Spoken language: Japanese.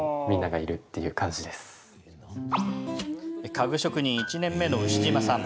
家具職人１年目の牛嶋さん。